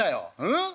うん？